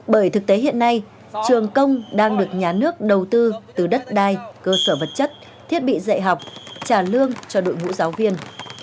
bởi thực tế hiện nay trường công đang được nhà nước đầu tư từ đất đai cơ sở vật chất thiết bị dạy học trả lương cho đội ngũ giáo viên